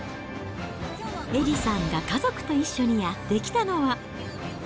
エリさんが家族と一緒にやって来たのは。